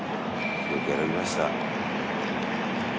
「よく選びました」